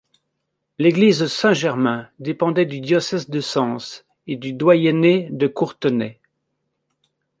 L'église Saint-Germain dépendait du diocèse de Sens et du doyenné de Courtenay.